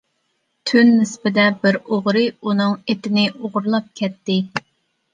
تۈن نىسبىدە بىر ئوغرى ئۇنىڭ ئېتىنى ئوغرىلاپ كەتتى.